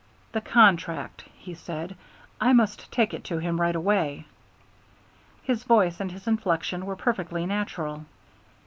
"The contract," he said. "I must take it to him right away." His voice and his inflection were perfectly natural.